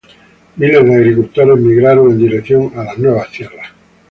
Miles de agricultores migraron en dirección a las nuevas tierras.